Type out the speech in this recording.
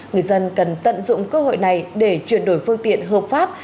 người dân cần tận dụng cơ hội này để chuyển đổi phương tiện hợp pháp